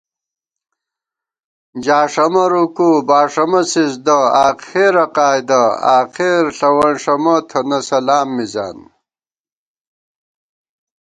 جاݭَمہ رکوع ، باݭَمہ سِزدہ ، آخرہ قعدہ آخر ݪَونݭَمہ تھنہ سلام مِزان